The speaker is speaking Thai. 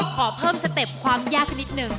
ขอเพิ่มสเต็ปความยากสักนิดหนึ่ง